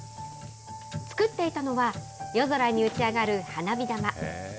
作っていたのは、夜空に打ち上がる花火玉。